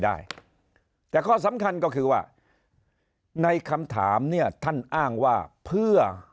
ได้แต่ข้อสำคัญก็คือว่าในคำถามเนี่ยท่านอ้างว่าเพื่อ